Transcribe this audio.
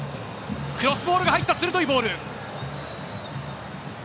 クロスボールが入った鋭いボール。